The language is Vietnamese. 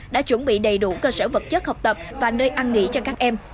đã chuẩn bị đầy đủ cơ sở vật chất học tập và nơi ăn nghỉ cho các em